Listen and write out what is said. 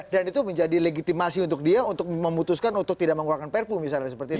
dan itu menjadi legitimasi untuk dia untuk memutuskan untuk tidak mengeluarkan perpu misalnya seperti itu